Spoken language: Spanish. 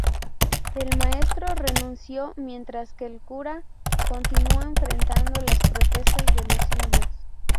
El maestro renunció, mientras que el cura continuó enfrentando las protestas de los indios.